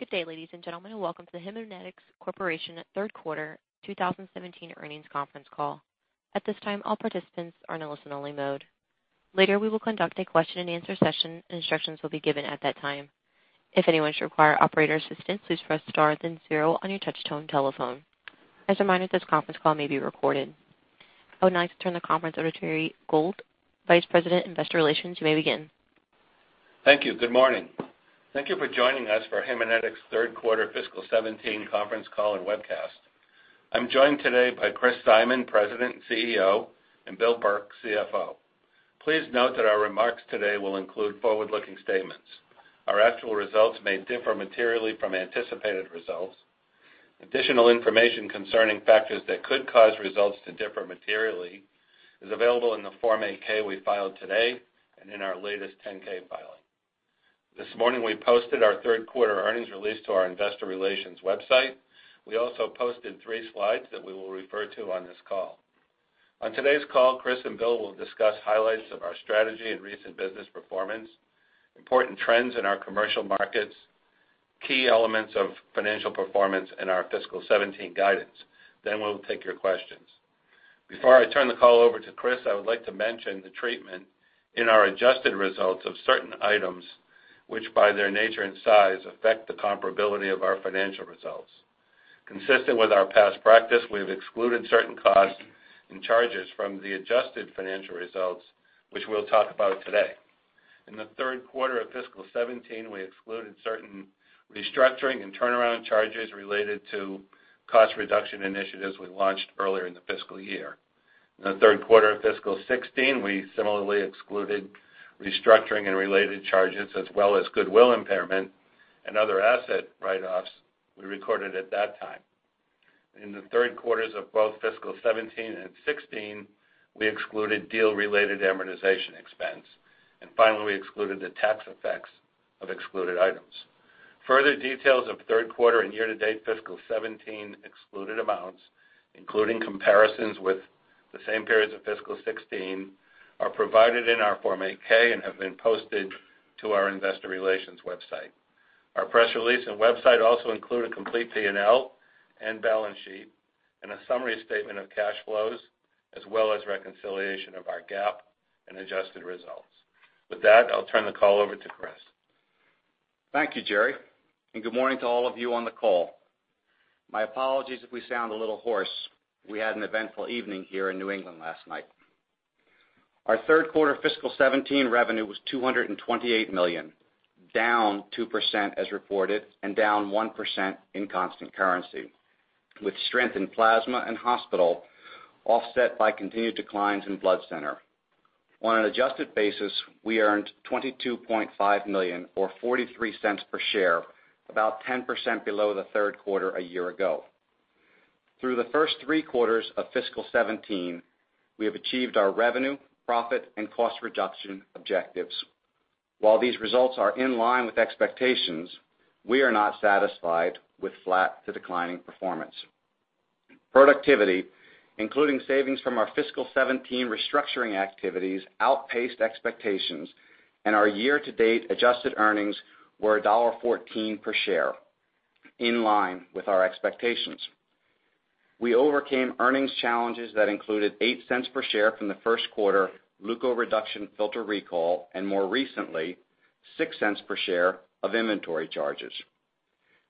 Good day, ladies and gentlemen, and welcome to the Haemonetics Corporation third quarter 2017 earnings conference call. At this time, all participants are in listen-only mode. Later, we will conduct a question-and-answer session. Instructions will be given at that time. If anyone should require operator assistance, please press star then zero on your touch-tone telephone. As a reminder, this conference call may be recorded. I would now like to turn the conference over to Gerry Gould, Vice President, Investor Relations. You may begin. Thank you. Good morning. Thank you for joining us for Haemonetics' third quarter fiscal 2017 conference call and webcast. I'm joined today by Chris Simon, President and Chief Executive Officer, and Bill Burke, Chief Financial Officer. Please note that our remarks today will include forward-looking statements. Our actual results may differ materially from anticipated results. Additional information concerning factors that could cause results to differ materially is available in the Form 8-K we filed today and in our latest Form 10-K filing. This morning, we posted our third quarter earnings release to our investor relations website. We also posted three slides that we will refer to on this call. On today's call, Chris and Bill will discuss highlights of our strategy and recent business performance, important trends in our commercial markets, key elements of financial performance in our fiscal 2017 guidance. We'll take your questions. Before I turn the call over to Chris, I would like to mention the treatment in our adjusted results of certain items, which, by their nature and size, affect the comparability of our financial results. Consistent with our past practice, we've excluded certain costs and charges from the adjusted financial results, which we'll talk about today. In the third quarter of fiscal 2017, we excluded certain restructuring and turnaround charges related to cost reduction initiatives we launched earlier in the fiscal year. In the third quarter of fiscal 2016, we similarly excluded restructuring and related charges, as well as goodwill impairment and other asset write-offs we recorded at that time. In the third quarters of both fiscal 2017 and 2016, we excluded deal-related amortization expense. Finally, we excluded the tax effects of excluded items. Further details of third quarter and year-to-date fiscal 2017 excluded amounts, including comparisons with the same periods of fiscal 2016, are provided in our Form 8-K and have been posted to our investor relations website. Our press release and website also include a complete P&L and balance sheet and a summary statement of cash flows, as well as reconciliation of our GAAP and adjusted results. With that, I'll turn the call over to Chris. Thank you, Gerry, and good morning to all of you on the call. My apologies if we sound a little hoarse. We had an eventful evening here in New England last night. Our third quarter fiscal 2017 revenue was $228 million, down 2% as reported and down 1% in constant currency, with strength in plasma and hospital offset by continued declines in blood center. On an adjusted basis, we earned $22.5 million or $0.43 per share, about 10% below the third quarter a year ago. Through the first three quarters of fiscal 2017, we have achieved our revenue, profit, and cost reduction objectives. While these results are in line with expectations, we are not satisfied with flat to declining performance. Productivity, including savings from our fiscal 2017 restructuring activities, outpaced expectations and our year-to-date adjusted earnings were $1.14 per share, in line with our expectations. We overcame earnings challenges that included $0.08 per share from the first quarter leukoreduction filter recall, and more recently, $0.06 per share of inventory charges.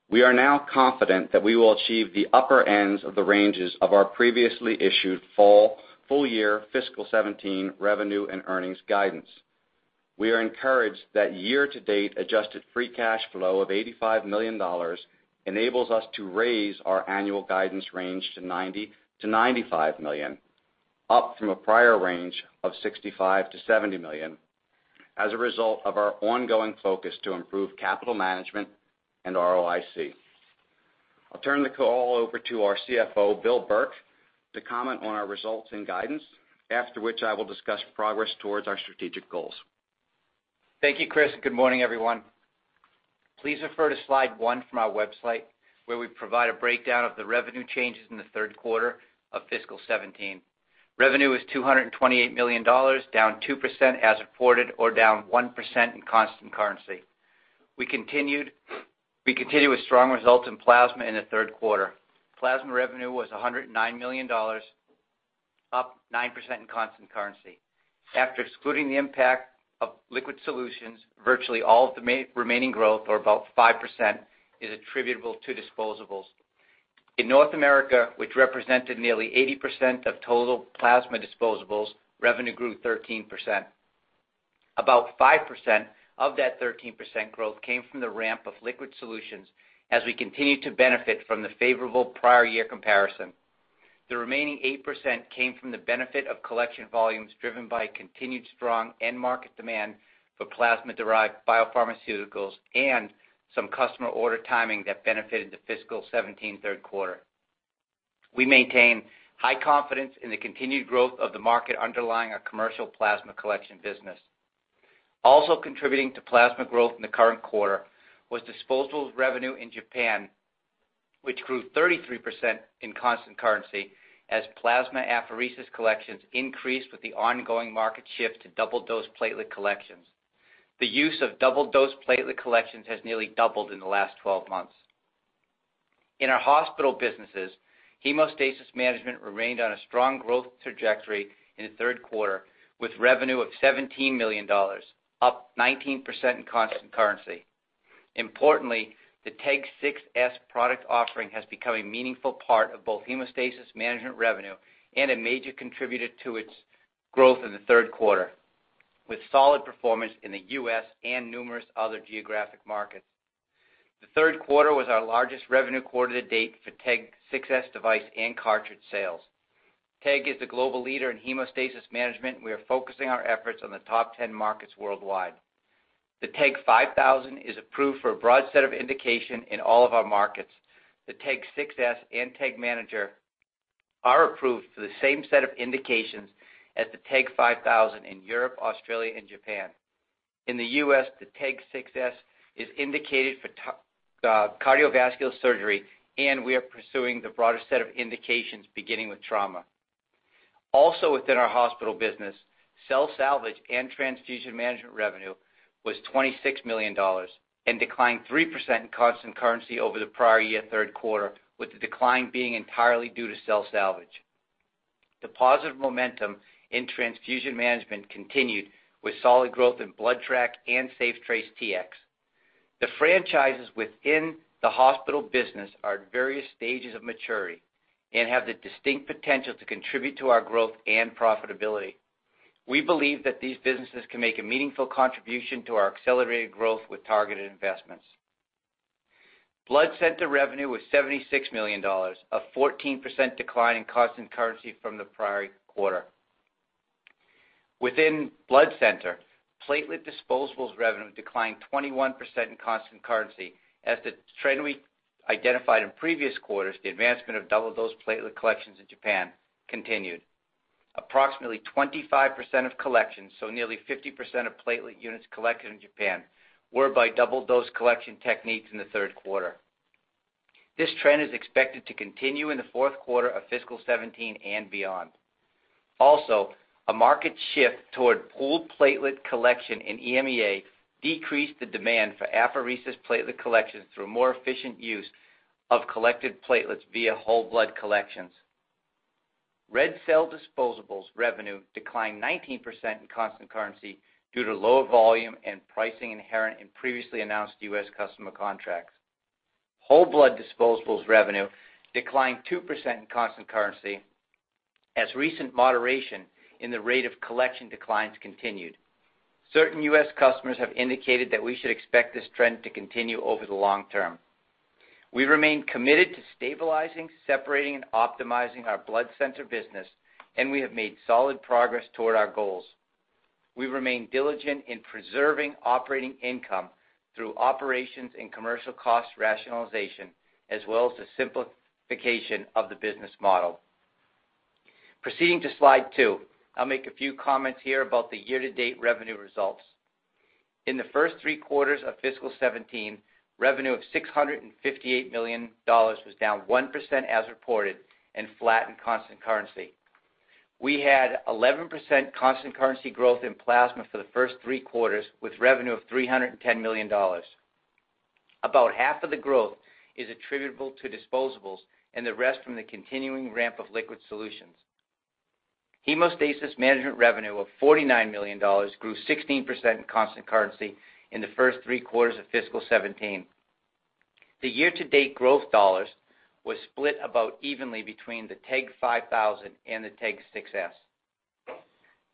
We are now confident that we will achieve the upper ends of the ranges of our previously issued full year fiscal 2017 revenue and earnings guidance. We are encouraged that year-to-date adjusted free cash flow of $85 million enables us to raise our annual guidance range to $90 million-$95 million, up from a prior range of $65 million-$70 million, as a result of our ongoing focus to improve capital management and ROIC. I'll turn the call over to our CFO, William Burke, to comment on our results and guidance. After which, I will discuss progress towards our strategic goals. Thank you, Chris. Good morning, everyone. Please refer to slide one from our website, where we provide a breakdown of the revenue changes in the third quarter of fiscal 2017. Revenue was $228 million, down 2% as reported or down 1% in constant currency. We continue with strong results in plasma in the third quarter. Plasma revenue was $109 million, up 9% in constant currency. After excluding the impact of liquid solutions, virtually all of the remaining growth or about 5%, is attributable to disposables. In North America, which represented nearly 80% of total plasma disposables, revenue grew 13%. About 5% of that 13% growth came from the ramp of liquid solutions as we continue to benefit from the favorable prior year comparison. The remaining 8% came from the benefit of collection volumes driven by continued strong end market demand for plasma-derived biopharmaceuticals and some customer order timing that benefited the fiscal 2017 third quarter. We maintain high confidence in the continued growth of the market underlying our commercial plasma collection business. Also contributing to plasma growth in the current quarter was disposables revenue in Japan, which grew 33% in constant currency as plasma apheresis collections increased with the ongoing market shift to double dose platelet collections. The use of double dose platelet collections has nearly doubled in the last 12 months. In our hospital businesses, hemostasis management remained on a strong growth trajectory in the third quarter, with revenue of $17 million, up 19% in constant currency. The TEG 6s product offering has become a meaningful part of both hemostasis management revenue and a major contributor to its growth in the third quarter, with solid performance in the U.S. and numerous other geographic markets. The third quarter was our largest revenue quarter to date for TEG 6s device and cartridge sales. TEG is the global leader in hemostasis management, and we are focusing our efforts on the top 10 markets worldwide. The TEG 5000 is approved for a broad set of indication in all of our markets. The TEG 6s and TEG Manager are approved for the same set of indications as the TEG 5000 in Europe, Australia, and Japan. In the U.S., the TEG 6s is indicated for cardiovascular surgery, and we are pursuing the broader set of indications, beginning with trauma. Within our hospital business, cell salvage and transfusion management revenue was $26 million and declined 3% in constant currency over the prior year third quarter, with the decline being entirely due to cell salvage. The positive momentum in transfusion management continued with solid growth in BloodTrack and SafeTrace Tx. The franchises within the hospital business are at various stages of maturity and have the distinct potential to contribute to our growth and profitability. We believe that these businesses can make a meaningful contribution to our accelerated growth with targeted investments. Blood center revenue was $76 million, a 14% decline in constant currency from the prior quarter. Within blood center, platelet disposables revenue declined 21% in constant currency as the trend we identified in previous quarters, the advancement of double dose platelet collections in Japan, continued. Approximately 25% of collections, so nearly 50% of platelet units collected in Japan, were by double dose collection techniques in the third quarter. This trend is expected to continue in the fourth quarter of fiscal 2017 and beyond. A market shift toward pooled platelet collection in EMEA decreased the demand for apheresis platelet collections through more efficient use of collected platelets via whole blood collections. Red cell disposables revenue declined 19% in constant currency due to lower volume and pricing inherent in previously announced U.S. customer contracts. Whole blood disposables revenue declined 2% in constant currency as recent moderation in the rate of collection declines continued. Certain U.S. customers have indicated that we should expect this trend to continue over the long term. We remain committed to stabilizing, separating, and optimizing our blood center business, and we have made solid progress toward our goals. We remain diligent in preserving operating income through operations and commercial cost rationalization, as well as the simplification of the business model. Proceeding to slide two. I'll make a few comments here about the year-to-date revenue results. In the first three quarters of fiscal 2017, revenue of $658 million was down 1% as reported and flat in constant currency. We had 11% constant currency growth in plasma for the first three quarters, with revenue of $310 million. About half of the growth is attributable to disposables and the rest from the continuing ramp of liquid solutions. Hemostasis management revenue of $49 million grew 16% in constant currency in the first three quarters of fiscal 2017. The year-to-date growth dollars was split about evenly between the TEG 5000 and the TEG 6s.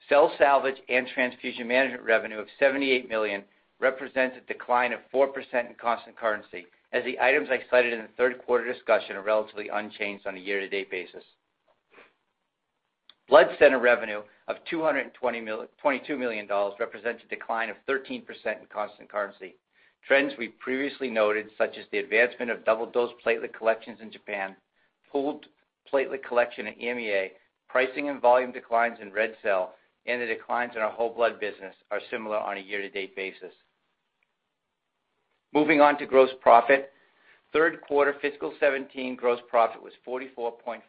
Cell salvage and transfusion management revenue of $78 million represents a decline of 4% in constant currency as the items I cited in the third quarter discussion are relatively unchanged on a year-to-date basis. Blood center revenue of $222 million represents a decline of 13% in constant currency. Trends we previously noted, such as the advancement of double dose platelet collections in Japan, pooled platelet collection in EMEA, pricing and volume declines in red cell, and the declines in our whole blood business are similar on a year-to-date basis. Moving on to gross profit. Third quarter fiscal 2017 gross profit was 44.4%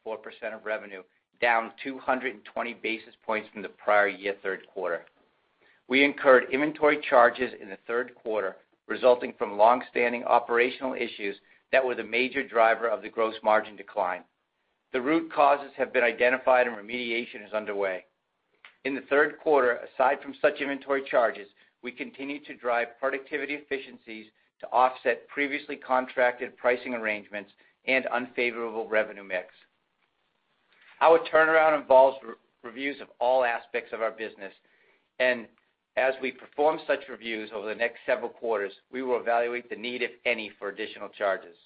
of revenue, down 220 basis points from the prior year third quarter. We incurred inventory charges in the third quarter, resulting from longstanding operational issues that were the major driver of the gross margin decline. The root causes have been identified and remediation is underway. In the third quarter, aside from such inventory charges, we continued to drive productivity efficiencies to offset previously contracted pricing arrangements and unfavorable revenue mix. Our turnaround involves reviews of all aspects of our business, and as we perform such reviews over the next several quarters, we will evaluate the need, if any, for additional charges.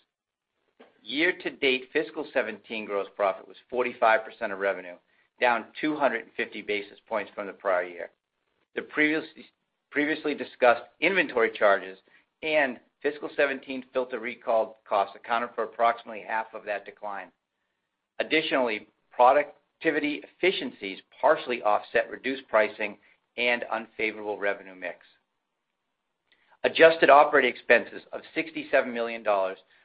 Year-to-date fiscal 2017 gross profit was 45% of revenue, down 250 basis points from the prior year. The previously discussed inventory charges and fiscal 2017 filter recall costs accounted for approximately half of that decline. Additionally, productivity efficiencies partially offset reduced pricing and unfavorable revenue mix. Adjusted operating expenses of $67 million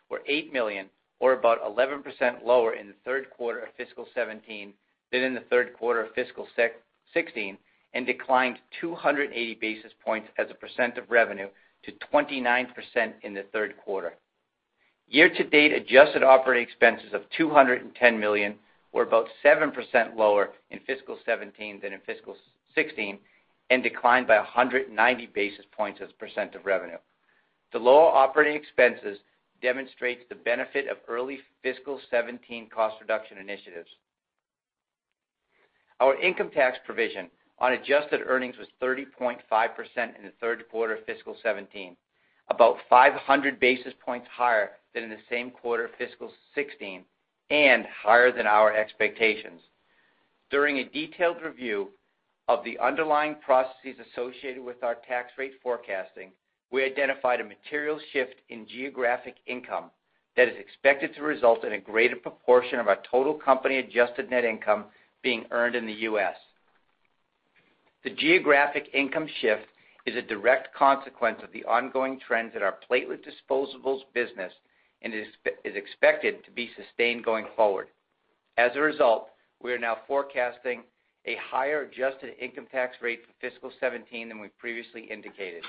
were $8 million, or about 11% lower in the third quarter of fiscal 2017 than in the third quarter of fiscal 2016, and declined 280 basis points as a percent of revenue to 29% in the third quarter. Year-to-date adjusted operating expenses of $210 million were about 7% lower in fiscal 2017 than in fiscal 2016, and declined by 190 basis points as a percent of revenue. The lower operating expenses demonstrates the benefit of early fiscal 2017 cost reduction initiatives. Our income tax provision on adjusted earnings was 30.5% in the third quarter of fiscal 2017, about 500 basis points higher than in the same quarter of fiscal 2016 and higher than our expectations. During a detailed review of the underlying processes associated with our tax rate forecasting, we identified a material shift in geographic income that is expected to result in a greater proportion of our total company adjusted net income being earned in the U.S. The geographic income shift is a direct consequence of the ongoing trends in our platelet disposables business and is expected to be sustained going forward. As a result, we are now forecasting a higher adjusted income tax rate for fiscal 2017 than we previously indicated.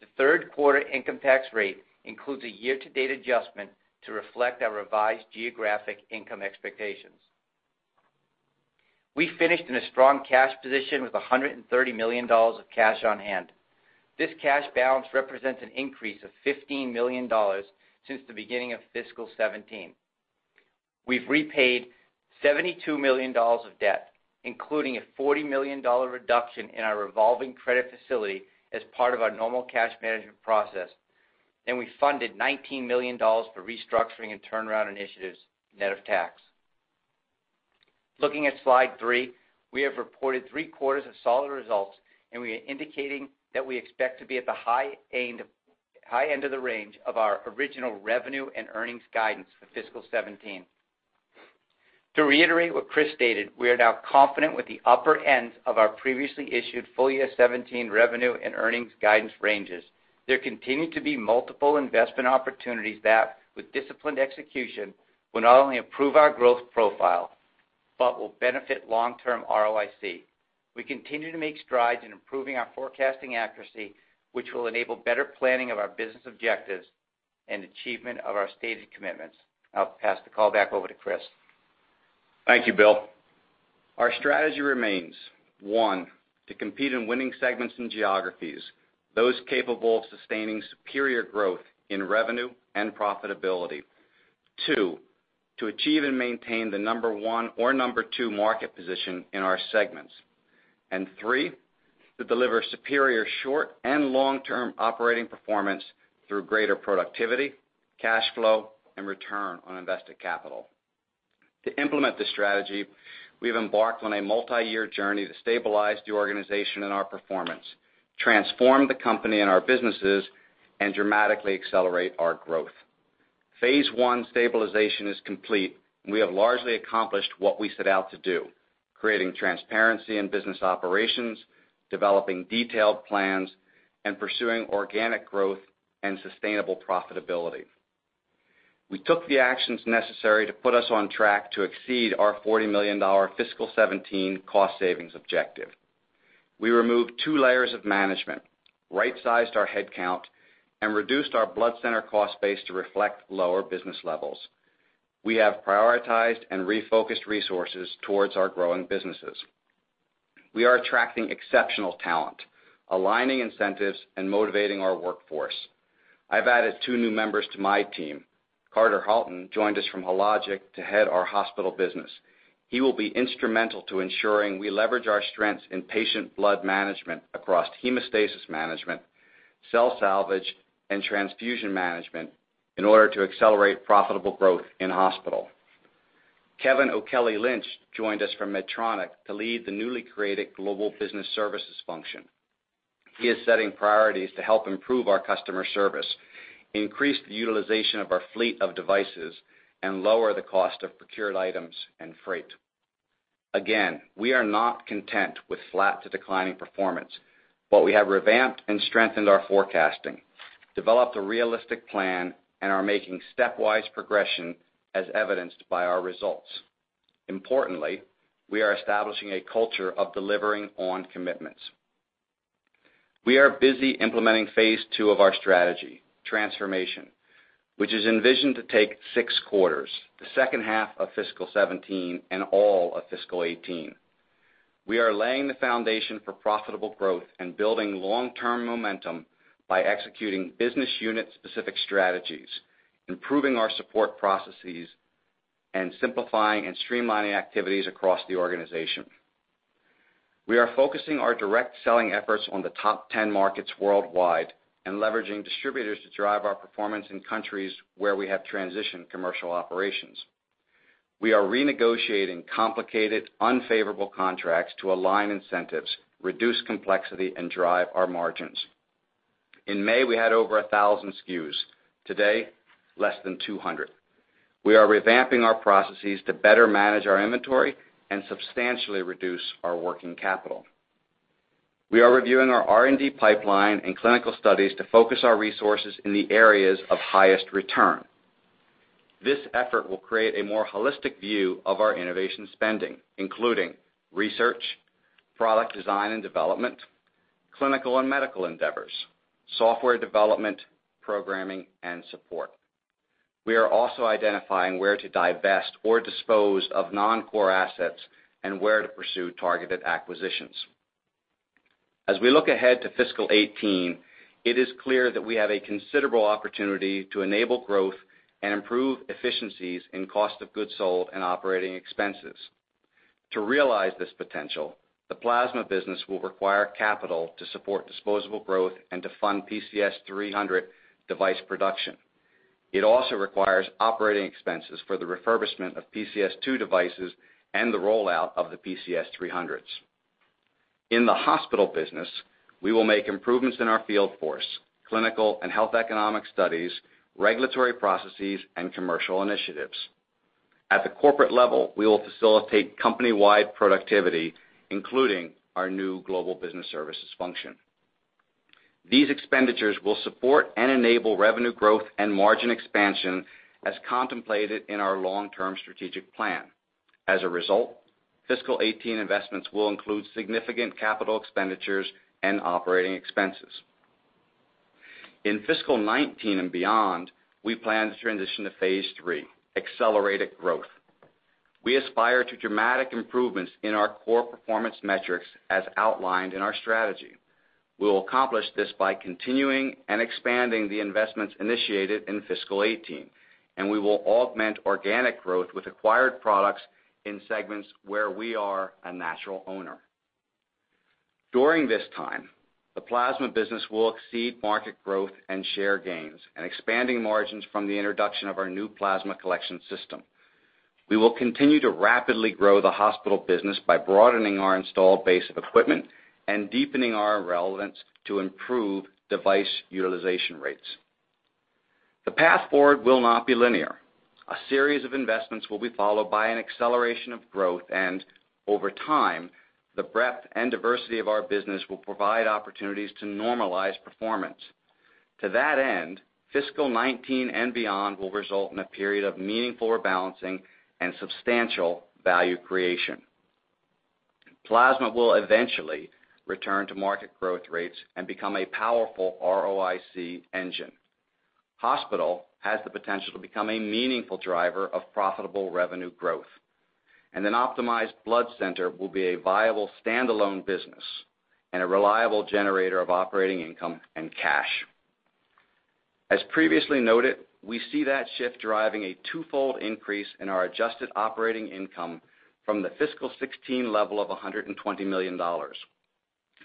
The third quarter income tax rate includes a year-to-date adjustment to reflect our revised geographic income expectations. We finished in a strong cash position with $130 million of cash on hand. This cash balance represents an increase of $15 million since the beginning of fiscal 2017. We've repaid $72 million of debt, including a $40 million reduction in our revolving credit facility as part of our normal cash management process, and we funded $19 million for restructuring and turnaround initiatives, net of tax. Looking at slide three, we have reported three quarters of solid results, and we are indicating that we expect to be at the high end of the range of our original revenue and earnings guidance for fiscal 2017. To reiterate what Chris stated, we are now confident with the upper ends of our previously issued full year 2017 revenue and earnings guidance ranges. There continue to be multiple investment opportunities that, with disciplined execution, will not only improve our growth profile, but will benefit long-term ROIC. We continue to make strides in improving our forecasting accuracy, which will enable better planning of our business objectives and achievement of our stated commitments. I'll pass the call back over to Bill. Thank you, Bill. Our strategy remains, one, to compete in winning segments and geographies, those capable of sustaining superior growth in revenue and profitability. Two, to achieve and maintain the number 1 or number 2 market position in our segments. And three, to deliver superior short and long-term operating performance through greater productivity, cash flow, and return on invested capital. To implement this strategy, we've embarked on a multi-year journey to stabilize the organization and our performance, transform the company and our businesses, and dramatically accelerate our growth. Phase 1 stabilization is complete, and we have largely accomplished what we set out to do, creating transparency in business operations, developing detailed plans, and pursuing organic growth and sustainable profitability. We took the actions necessary to put us on track to exceed our $40 million fiscal 2017 cost savings objective. We removed two layers of management, right-sized our headcount, and reduced our blood center cost base to reflect lower business levels. We have prioritized and refocused resources towards our growing businesses. We are attracting exceptional talent, aligning incentives, and motivating our workforce. I've added two new members to my team. Carter Houlton joined us from Hologic to head our hospital business. He will be instrumental to ensuring we leverage our strengths in patient blood management across hemostasis management, cell salvage, and transfusion management in order to accelerate profitable growth in hospital. Kevin O'Kelly Lynch joined us from Medtronic to lead the newly created Global Business Services function. He is setting priorities to help improve our customer service, increase the utilization of our fleet of devices, and lower the cost of procured items and freight. Again, we are not content with flat to declining performance, but we have revamped and strengthened our forecasting, developed a realistic plan, and are making stepwise progression as evidenced by our results. Importantly, we are establishing a culture of delivering on commitments. We are busy implementing Phase 2 of our strategy, transformation, which is envisioned to take 6 quarters, the second half of fiscal 2017 and all of fiscal 2018. We are laying the foundation for profitable growth and building long-term momentum by executing business unit-specific strategies, improving our support processes, and simplifying and streamlining activities across the organization. We are focusing our direct selling efforts on the top 10 markets worldwide and leveraging distributors to drive our performance in countries where we have transitioned commercial operations. We are renegotiating complicated, unfavorable contracts to align incentives, reduce complexity, and drive our margins. In May, we had over 1,000 SKUs. Today, less than 200. We are revamping our processes to better manage our inventory and substantially reduce our working capital. We are reviewing our R&D pipeline and clinical studies to focus our resources in the areas of highest return. This effort will create a more holistic view of our innovation spending, including research, product design and development, clinical and medical endeavors, software development, programming and support. We are also identifying where to divest or dispose of non-core assets and where to pursue targeted acquisitions. As we look ahead to fiscal 2018, it is clear that we have a considerable opportunity to enable growth and improve efficiencies in cost of goods sold and operating expenses. To realize this potential, the plasma business will require capital to support disposable growth and to fund PCS 300 device production. It also requires operating expenses for the refurbishment of PCS2 devices and the rollout of the PCS 300s. In the hospital business, we will make improvements in our field force, clinical and health economic studies, regulatory processes, and commercial initiatives. At the corporate level, we will facilitate company-wide productivity, including our new Global Business Services function. These expenditures will support and enable revenue growth and margin expansion as contemplated in our long-term strategic plan. As a result, fiscal 2018 investments will include significant capital expenditures and operating expenses. In fiscal 2019 and beyond, we plan to transition to phase III, accelerated growth. We aspire to dramatic improvements in our core performance metrics, as outlined in our strategy. We will accomplish this by continuing and expanding the investments initiated in fiscal 2018, and we will augment organic growth with acquired products in segments where we are a natural owner. During this time, the plasma business will exceed market growth and share gains and expanding margins from the introduction of our new plasma collection system. We will continue to rapidly grow the hospital business by broadening our installed base of equipment and deepening our relevance to improve device utilization rates. The path forward will not be linear. A series of investments will be followed by an acceleration of growth, and over time, the breadth and diversity of our business will provide opportunities to normalize performance. To that end, fiscal 2019 and beyond will result in a period of meaningful rebalancing and substantial value creation. Plasma will eventually return to market growth rates and become a powerful ROIC engine. Hospital has the potential to become a meaningful driver of profitable revenue growth, and an optimized blood center will be a viable standalone business and a reliable generator of operating income and cash. As previously noted, we see that shift driving a twofold increase in our adjusted operating income from the fiscal 2016 level of $120 million,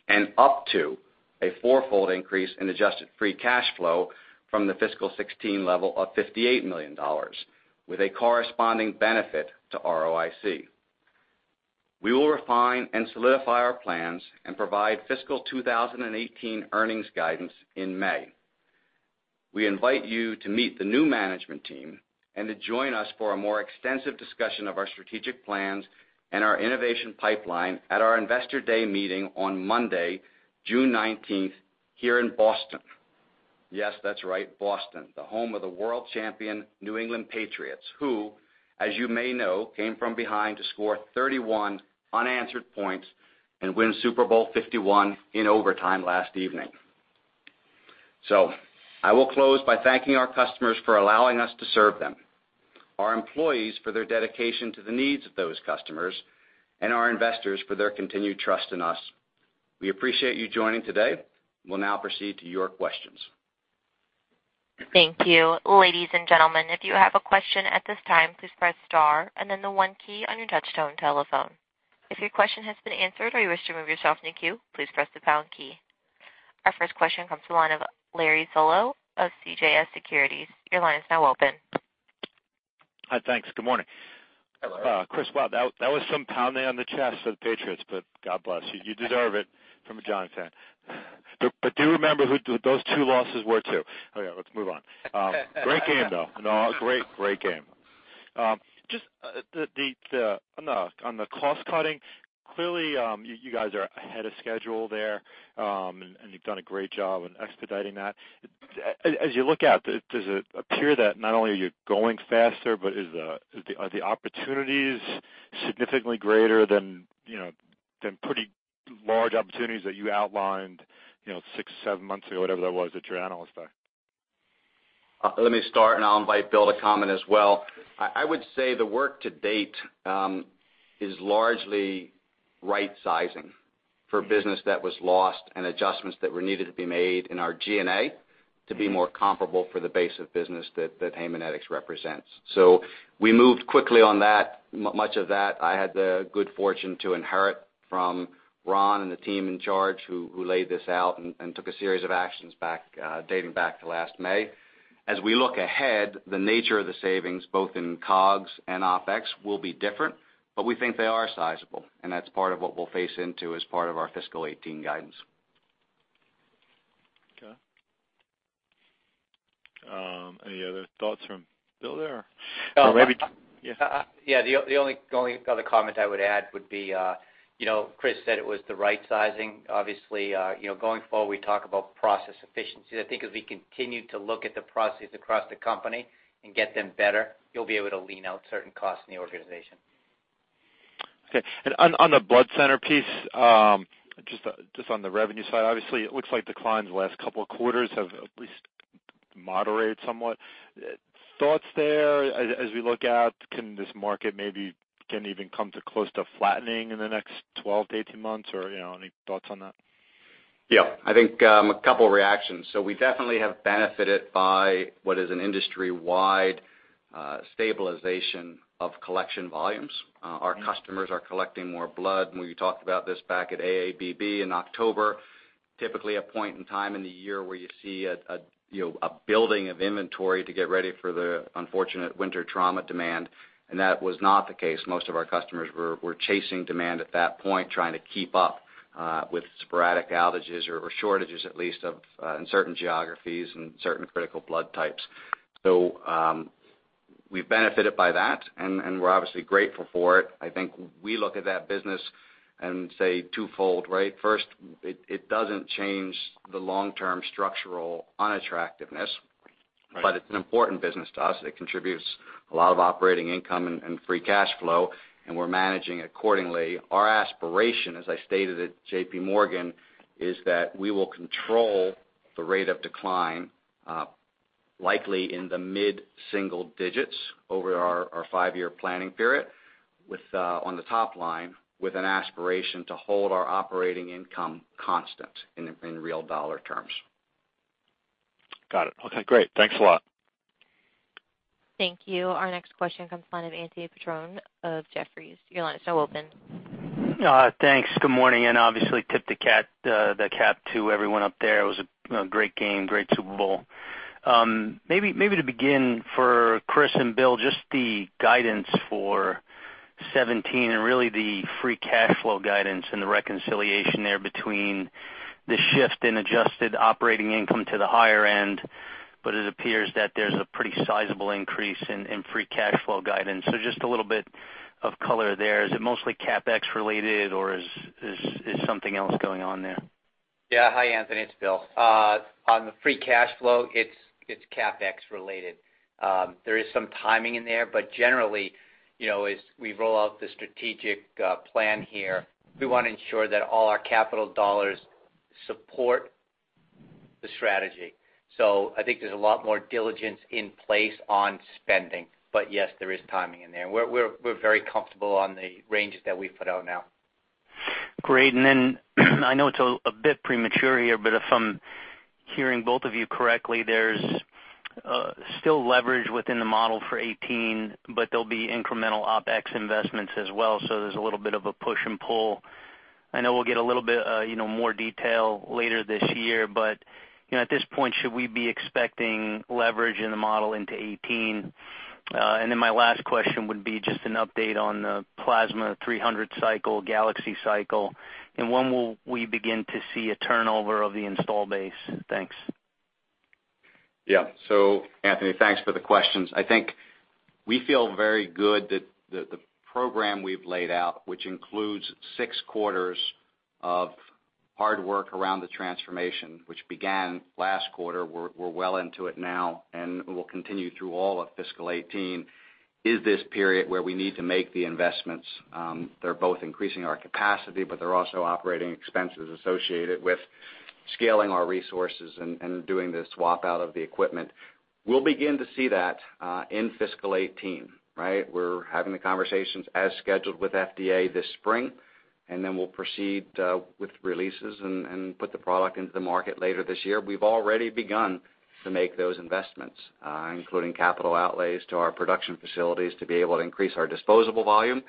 and up to a fourfold increase in adjusted free cash flow from the fiscal 2016 level of $58 million, with a corresponding benefit to ROIC. We will refine and solidify our plans and provide fiscal 2018 earnings guidance in May. We invite you to meet the new management team and to join us for a more extensive discussion of our strategic plans and our innovation pipeline at our Investor Day meeting on Monday, June 19th, here in Boston. Yes, that's right, Boston, the home of the world champion New England Patriots, who, as you may know, came from behind to score 31 unanswered points and win Super Bowl LI in overtime last evening. I will close by thanking our customers for allowing us to serve them, our employees for their dedication to the needs of those customers, and our investors for their continued trust in us. We appreciate you joining today. We'll now proceed to your questions. Thank you. Ladies and gentlemen, if you have a question at this time, please press star and then the one key on your touch-tone telephone. If your question has been answered or you wish to remove yourself from the queue, please press the pound key. Our first question comes to the line of Larry Solow of CJS Securities. Your line is now open. Hi. Thanks. Good morning. Hello. Chris, wow, that was some pounding on the chest for the Patriots, but God bless you. You deserve it, from a Giants fan. Do remember who those two losses were to. Okay, let's move on. Great game, though. No, great game. Just on the cost cutting, clearly, you guys are ahead of schedule there, and you've done a great job in expediting that. As you look out, does it appear that not only are you going faster, but are the opportunities significantly greater than pretty large opportunities that you outlined six, seven months ago, whatever that was, at your analyst day? Let me start. I'll invite Bill to comment as well. I would say the work to date is largely right-sizing for business that was lost and adjustments that were needed to be made in our G&A to be more comparable for the base of business that Haemonetics represents. We moved quickly on that. Much of that I had the good fortune to inherit from Ron and the team in charge, who laid this out and took a series of actions dating back to last May. We look ahead, the nature of the savings, both in COGS and OpEx, will be different, but we think they are sizable, and that's part of what we'll face into as part of our fiscal 2018 guidance. Any other thoughts from Bill there? Yeah. The only other comment I would add would be, Chris said it was the right sizing. Going forward, we talk about process efficiencies. I think as we continue to look at the processes across the company and get them better, you'll be able to lean out certain costs in the organization. Okay. On the blood center piece, just on the revenue side, obviously, it looks like declines the last couple of quarters have at least moderated somewhat. Thoughts there as we look out, can this market maybe even come to close to flattening in the next 12 to 18 months, or any thoughts on that? Yeah. I think, a couple of reactions. We definitely have benefited by what is an industry-wide stabilization of collection volumes. Our customers are collecting more blood. We talked about this back at AABB in October. Typically, a point in time in the year where you see a building of inventory to get ready for the unfortunate winter trauma demand. That was not the case. Most of our customers were chasing demand at that point, trying to keep up with sporadic outages or shortages, at least in certain geographies and certain critical blood types. We've benefited by that. We're obviously grateful for it. I think we look at that business and say twofold, right? First, it doesn't change the long-term structural unattractiveness. Right. It's an important business to us. It contributes a lot of operating income and free cash flow. We're managing it accordingly. Our aspiration, as I stated at JP Morgan, is that we will control the rate of decline, likely in the mid-single digits over our five-year planning period on the top line, with an aspiration to hold our operating income constant in real dollar terms. Got it. Okay, great. Thanks a lot. Thank you. Our next question comes from the line of Anthony Petrone of Jefferies. Your line is now open. Thanks. Good morning. Obviously tip the cap to everyone up there. It was a great game, great Super Bowl. To begin for Christopher and William, just the guidance for 2017, really the free cash flow guidance and the reconciliation there between the shift in adjusted operating income to the higher end. It appears that there's a pretty sizable increase in free cash flow guidance. Just a little bit of color there. Is it mostly CapEx related, or is something else going on there? Hi, Anthony. It's William. On the free cash flow, it's CapEx related. There is some timing in there. Generally, as we roll out the strategic plan here, we want to ensure that all our capital dollars support the strategy. I think there's a lot more diligence in place on spending. Yes, there is timing in there. We're very comfortable on the ranges that we've put out now. Great. I know it's a bit premature here. If I'm hearing both of you correctly, there's still leverage within the model for 2018. There'll be incremental OpEx investments as well. There's a little bit of a push and pull. I know we'll get a little bit more detail later this year. At this point, should we be expecting leverage in the model into 2018? My last question would be just an update on the PCS 300 cycle, NexSys cycle, and when will we begin to see a turnover of the install base? Thanks. Anthony, thanks for the questions. I think we feel very good that the program we've laid out, which includes six quarters of hard work around the transformation, which began last quarter, we're well into it now, will continue through all of fiscal 2018, is this period where we need to make the investments. They're both increasing our capacity. There are also operating expenses associated with scaling our resources and doing the swap out of the equipment. We'll begin to see that in fiscal 2018, right? We're having the conversations as scheduled with FDA this spring. We'll proceed with releases and put the product into the market later this year. We've already begun to make those investments, including capital outlays to our production facilities to be able to increase our disposable volume.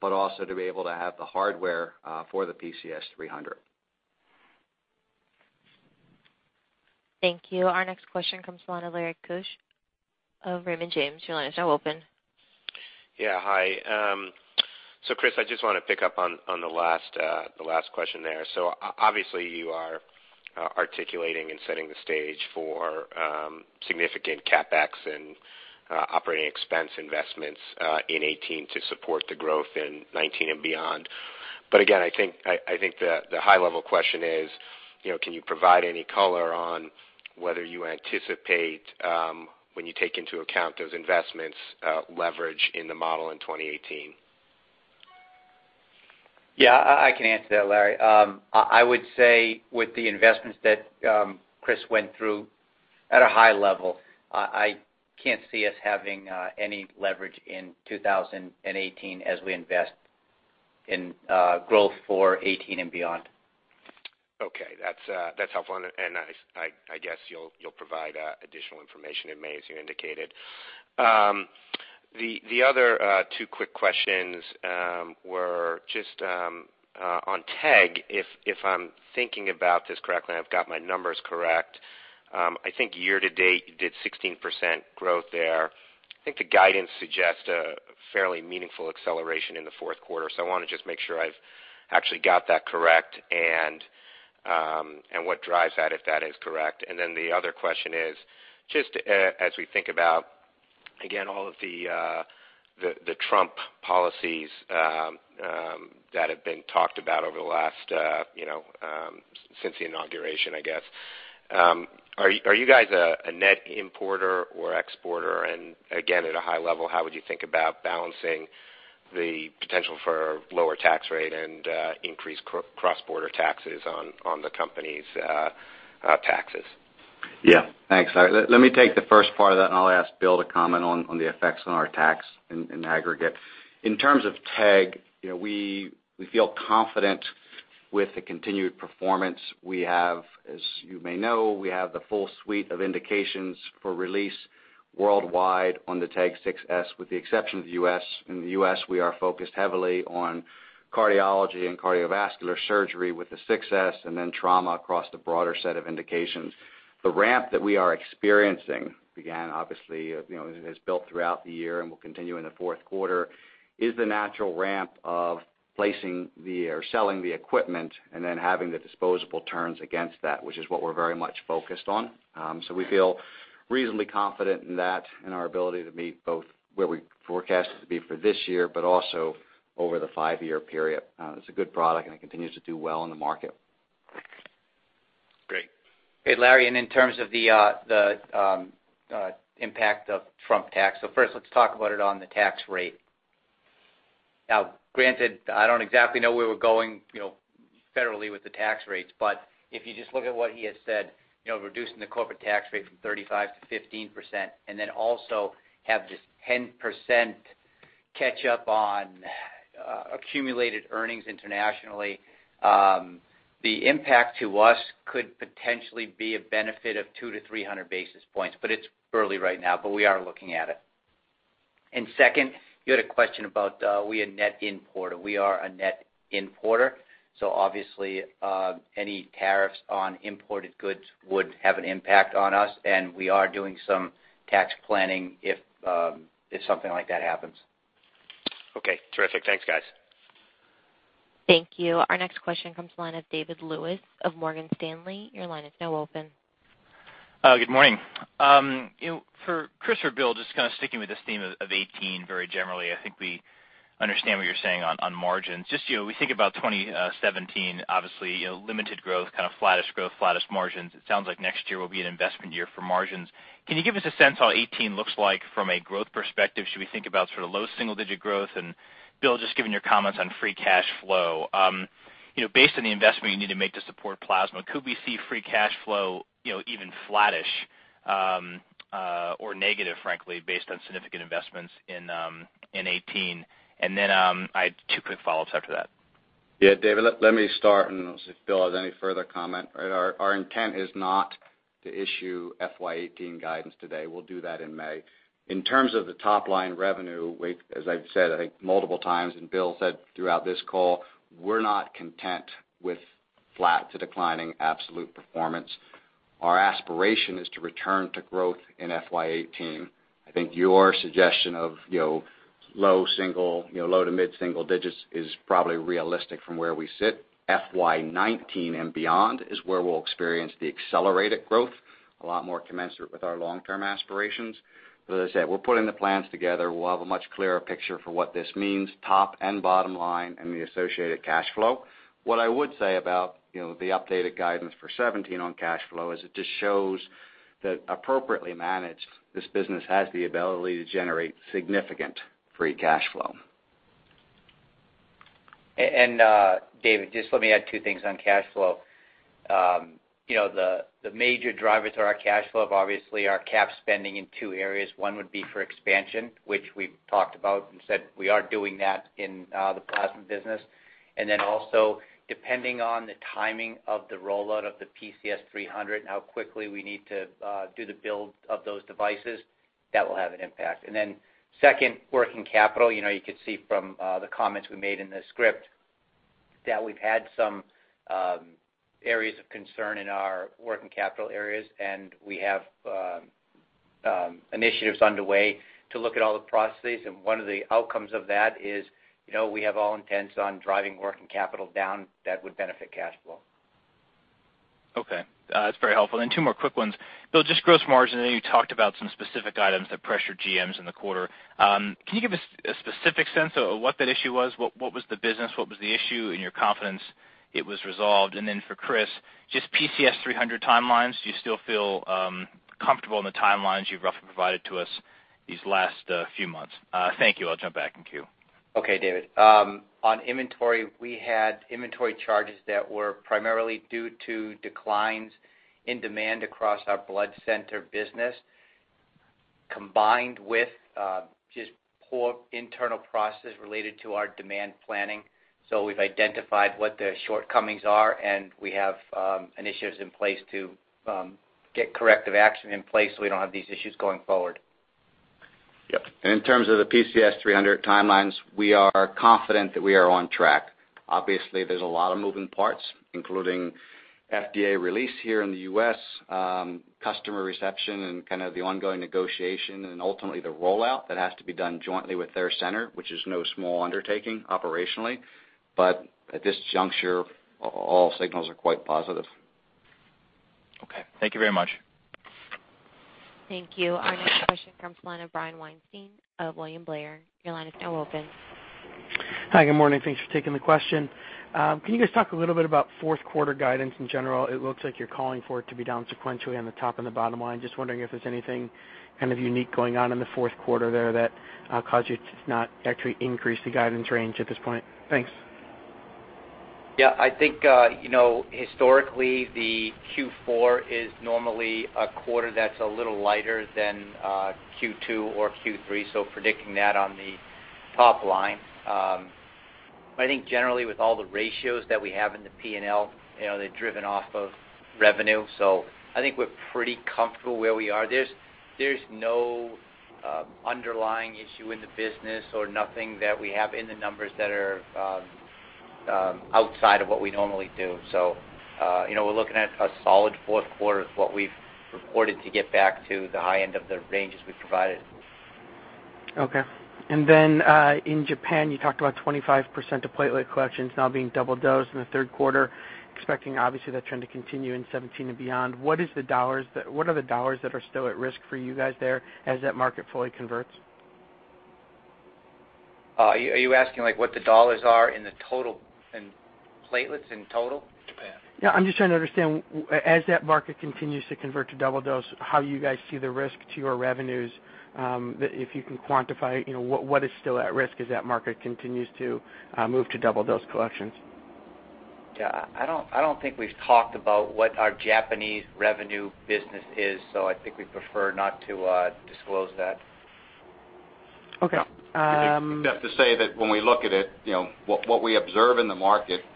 Also to be able to have the hardware for the PCS 300. Thank you. Our next question comes from the line of Lawrence Keusch of Raymond James. Your line is now open. Yeah. Hi. Chris, I just want to pick up on the last question there. Obviously you are articulating and setting the stage for significant CapEx and operating expense investments in 2018 to support the growth in 2019 and beyond. Again, I think the high-level question is, can you provide any color on whether you anticipate, when you take into account those investments, leverage in the model in 2018? Yeah, I can answer that, Larry. I would say with the investments that Chris went through at a high level, I can't see us having any leverage in 2018 as we invest in growth for 2018 and beyond. Okay. That's helpful, I guess you'll provide additional information in May, as you indicated. The other two quick questions were just on TEG. If I'm thinking about this correctly, and I've got my numbers correct, I think year to date, you did 16% growth there. I think the guidance suggests a fairly meaningful acceleration in the fourth quarter, so I want to just make sure I've actually got that correct and what drives that, if that is correct. Then the other question is, just as we think about Again, all of the Trump policies that have been talked about over the last, since the inauguration, I guess. Are you guys a net importer or exporter? And again, at a high level, how would you think about balancing the potential for lower tax rate and increased cross-border taxes on the company's taxes? Yeah. Thanks, Larry. Let me take the first part of that, and I'll ask Bill to comment on the effects on our tax in aggregate. In terms of TEG, we feel confident with the continued performance we have. As you may know, we have the full suite of indications for release worldwide on the TEG 6s, with the exception of the U.S. In the U.S., we are focused heavily on cardiology and cardiovascular surgery with the 6s, and then trauma across the broader set of indications. The ramp that we are experiencing began, obviously, has built throughout the year and will continue in the fourth quarter, is the natural ramp of placing or selling the equipment and then having the disposable turns against that, which is what we're very much focused on. We feel reasonably confident in that and our ability to meet both where we forecasted to be for this year, but also over the five-year period. It's a good product, and it continues to do well in the market. Great. Hey, Larry, in terms of the impact of Trump tax, first let's talk about it on the tax rate. Granted, I don't exactly know where we're going federally with the tax rates, but if you just look at what he has said, reducing the corporate tax rate from 35% to 15% and then also have this 10% catch up on accumulated earnings internationally, the impact to us could potentially be a benefit of 2 to 300 basis points. It's early right now, we are looking at it. Second, you had a question about are we a net importer. We are a net importer, obviously, any tariffs on imported goods would have an impact on us, and we are doing some tax planning if something like that happens. Okay, terrific. Thanks, guys. Thank you. Our next question comes from the line of David Lewis of Morgan Stanley. Your line is now open. Good morning. For Chris or Bill, just kind of sticking with this theme of 2018 very generally, I think we understand what you're saying on margins. Just we think about 2017, obviously, limited growth, kind of flattish growth, flattish margins. It sounds like next year will be an investment year for margins. Can you give us a sense how 2018 looks like from a growth perspective? Should we think about sort of low single-digit growth? Bill, just given your comments on free cash flow, based on the investment you need to make to support plasma, could we see free cash flow even flattish or negative, frankly, based on significant investments in 2018? I had two quick follow-ups after that. David, let me start. We'll see if Bill has any further comment. Our intent is not to issue FY 2018 guidance today. We'll do that in May. In terms of the top-line revenue, as I've said, I think multiple times, Bill said throughout this call, we're not content with flat to declining absolute performance. Our aspiration is to return to growth in FY 2018. I think your suggestion of low to mid single digits is probably realistic from where we sit. FY 2019 and beyond is where we'll experience the accelerated growth, a lot more commensurate with our long-term aspirations. As I said, we're putting the plans together. We'll have a much clearer picture for what this means, top and bottom line, and the associated cash flow. What I would say about the updated guidance for 2017 on cash flow is it just shows that appropriately managed, this business has the ability to generate significant free cash flow. David, just let me add two things on cash flow. The major drivers of our cash flow obviously are CapEx in two areas. One would be for expansion, which we've talked about and said we are doing that in the plasma business. Also, depending on the timing of the rollout of the PCS 300 and how quickly we need to do the build of those devices, that will have an impact. Second, working capital. You could see from the comments we made in the script that we've had some areas of concern in our working capital areas. We have initiatives underway to look at all the processes, one of the outcomes of that is, we have all intents on driving working capital down. That would benefit cash flow. Okay. That's very helpful. Two more quick ones. Bill, just gross margin. I know you talked about some specific items that pressured GMs in the quarter. Can you give us a specific sense of what that issue was? What was the business? What was the issue? Your confidence it was resolved. For Chris, just PCS 300 timelines. Do you still feel comfortable in the timelines you've roughly provided to us these last few months? Thank you. I'll jump back in queue. Okay, David. On inventory, we had inventory charges that were primarily due to declines in demand across our blood center business, combined with just poor internal processes related to our demand planning. We've identified what the shortcomings are. We have initiatives in place to get corrective action in place so we don't have these issues going forward. Yep. In terms of the PCS 300 timelines, we are confident that we are on track. Obviously, there's a lot of moving parts, including FDA release here in the U.S., customer reception, kind of the ongoing negotiation and ultimately the rollout that has to be done jointly with TheraCenter, which is no small undertaking operationally. At this juncture, all signals are quite positive. Okay. Thank you very much. Thank you. Our next question comes from the line of Brian Weinstein of William Blair. Your line is now open. Hi, good morning. Thanks for taking the question. Can you guys talk a little bit about fourth quarter guidance in general? It looks like you're calling for it to be down sequentially on the top and the bottom line. Just wondering if there's anything kind of unique going on in the fourth quarter there that caused you to not actually increase the guidance range at this point. Thanks. Yeah, I think, historically, the Q4 is normally a quarter that's a little lighter than Q2 or Q3, so predicting that on the top line. I think generally with all the ratios that we have in the P&L, they're driven off of revenue. I think we're pretty comfortable where we are. There's no underlying issue in the business or nothing that we have in the numbers that are outside of what we normally do. We're looking at a solid fourth quarter with what we've reported to get back to the high end of the ranges we provided. Okay. In Japan, you talked about 25% of platelet collections now being double dose in the third quarter, expecting obviously that trend to continue in 2017 and beyond. What are the dollars that are still at risk for you guys there as that market fully converts? Are you asking what the dollars are in the total, in platelets in total? Japan. Yeah, I'm just trying to understand, as that market continues to convert to double dose, how you guys see the risk to your revenues, if you can quantify what is still at risk as that market continues to move to double dose collections. Yeah, I don't think we've talked about what our Japanese revenue business is, so I think we'd prefer not to disclose that. Okay. Enough to say that when we look at it, what we observe in the market is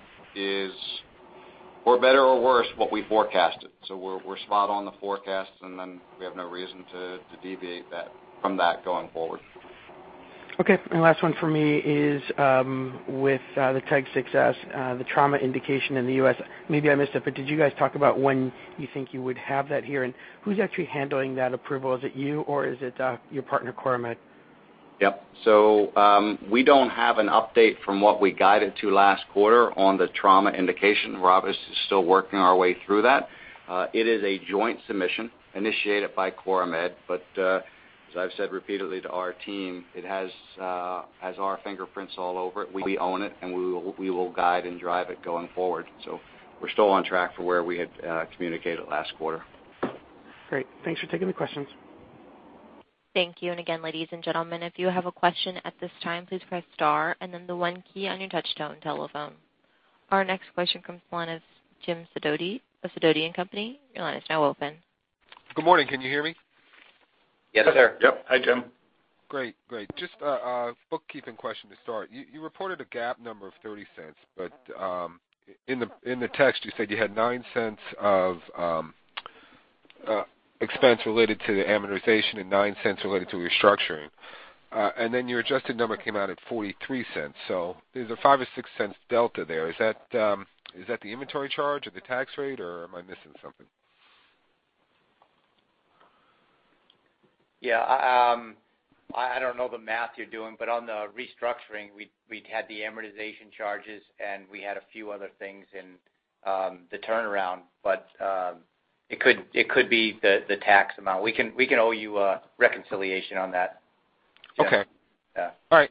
for better or worse, what we forecasted. We're spot on the forecast, we have no reason to deviate from that going forward. Okay. Last one for me is with the TEG success, the trauma indication in the U.S. Maybe I missed it, did you guys talk about when you think you would have that here? Who's actually handling that approval? Is it you or is it your partner, CorMedix? Yep. We don't have an update from what we guided to last quarter on the trauma indication. Rob is still working our way through that. It is a joint submission initiated by CorMed, as I've said repeatedly to our team, it has our fingerprints all over it. We own it, we will guide and drive it going forward. We're still on track for where we had communicated last quarter. Great. Thanks for taking the questions. Thank you. Again, ladies and gentlemen, if you have a question at this time, please press star and then the one key on your touch-tone telephone. Our next question comes the line of Jim Sidoti of Sidoti & Company. Your line is now open. Good morning. Can you hear me? Yes, sir. Yep. Hi, Jim. Great. Just a bookkeeping question to start. You reported a GAAP number of $0.30, but in the text, you said you had $0.09 of expense related to the amortization and $0.09 related to restructuring. Your adjusted number came out at $0.43. There's a $0.05 or $0.06 delta there. Is that the inventory charge or the tax rate, or am I missing something? I don't know the math you're doing, but on the restructuring, we'd had the amortization charges, and we had a few other things in the turnaround. It could be the tax amount. We can owe you a reconciliation on that. Okay. Yeah.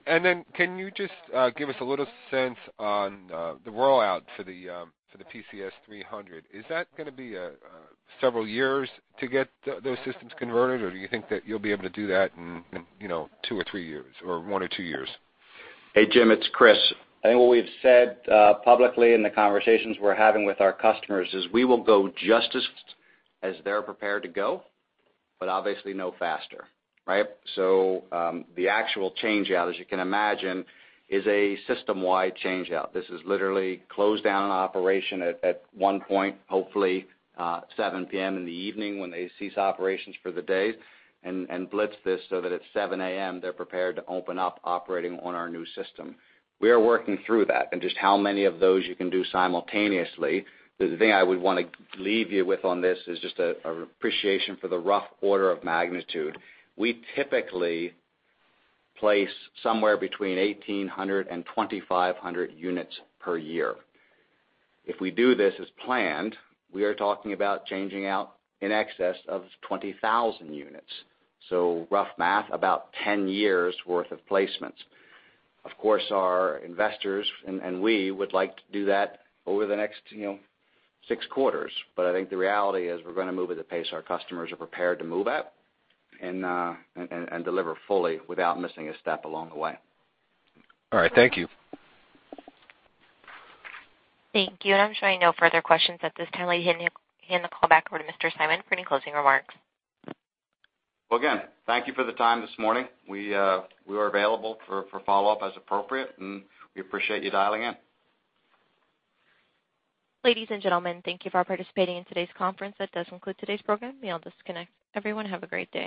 Can you just give us a little sense on the rollout for the PCS 300? Is that going to be several years to get those systems converted, or do you think that you'll be able to do that in two or three years, or one or two years? Hey, Jim, it's Chris. I think what we've said publicly in the conversations we're having with our customers is we will go just as they're prepared to go, but obviously no faster. The actual change-out, as you can imagine, is a system-wide change-out. This is literally close down an operation at one point, hopefully 7:00 P.M. in the evening when they cease operations for the day, and blitz this so that at 7:00 A.M. they're prepared to open up operating on our new system. We are working through that and just how many of those you can do simultaneously. The thing I would want to leave you with on this is just an appreciation for the rough order of magnitude. We typically place somewhere between 1,800 and 2,500 units per year. If we do this as planned, we are talking about changing out in excess of 20,000 units. Rough math, about 10 years' worth of placements. Of course, our investors and we would like to do that over the next six quarters. I think the reality is we're going to move at the pace our customers are prepared to move at and deliver fully without missing a step along the way. All right. Thank you. Thank you. I'm showing no further questions at this time. I'll hand the call back over to Mr. Simon for any closing remarks. Again, thank you for the time this morning. We are available for follow-up as appropriate, we appreciate you dialing in. Ladies and gentlemen, thank you for participating in today's conference. That does conclude today's program. You may all disconnect. Everyone, have a great day.